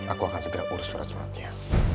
aku akan segera urus surat suratnya